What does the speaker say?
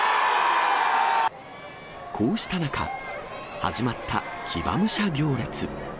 こうした中、始まった騎馬武者行列。